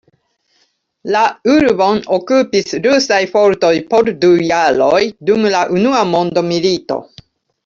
La urbon okupis rusaj fortoj por du jaroj dum la unua mondmilito.